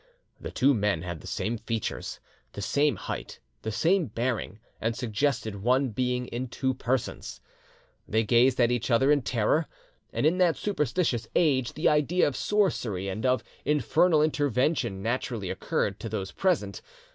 The two men had the same features, the same height, the same bearing, and suggested one being in two persons. They gazed at each other in terror, and in that superstitious age the idea of sorcery and of infernal intervention naturally occurred to those present.